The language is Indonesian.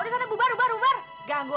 ada maling bu masuk ke rumah ibu